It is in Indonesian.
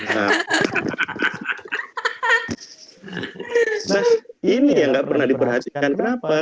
nah ini yang nggak pernah diperhatikan kenapa